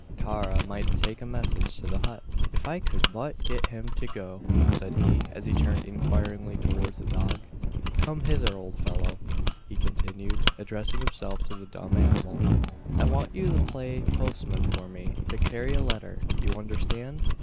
Tara might take a message to the hut! "If I could but get him to go," said he, as he turned inquiringly towards the dog. "Come hither, old fellow!" he continued, addressing himself to the dumb animal; "I want you to play postman for me to carry a letter. You understand?